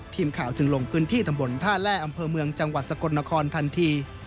ทีมข่าวจึงลงพื้นที่ตำบลท่าแร่อำเภอเมืองจังหวัดสกลนครทันที